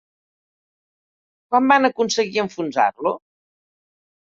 Quan van aconseguir enfonsar-lo?